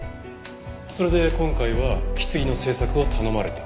それで今回は棺の制作を頼まれた？